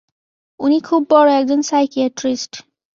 উনি খুব বড় একজন সাইকিয়াট্রিস্ট।